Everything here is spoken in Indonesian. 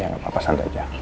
ya nggak apa apa santai aja